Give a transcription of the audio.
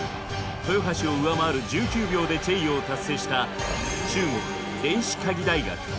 豊橋を上回る１９秒でチェイヨーを達成した中国電子科技大学。